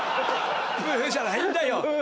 ブじゃないんだよ。